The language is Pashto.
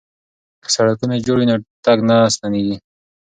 که سړکونه جوړ وي نو تګ نه ستیږي.